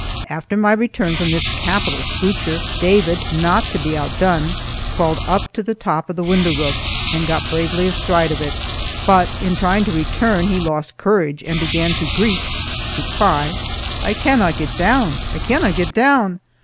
After my return from this capital scootcher, David, not to be outdone, crawled up to the top of the window roof, and got bravely astride of it; but in trying to return he lost courage and began to greet (to cry), "I canna get doon. Oh, I canna get doon."